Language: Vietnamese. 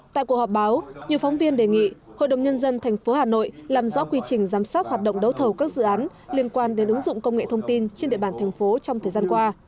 tại cuộc họp báo nhiều phóng viên đề nghị hội đồng nhân dân tp hà nội làm rõ quy trình giám sát hoạt động đấu thầu các dự án liên quan đến ứng dụng công nghệ thông tin trên địa bàn thành phố trong thời gian qua